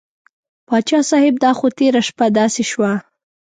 پاچا صاحب دا خو تېره شپه داسې شوه.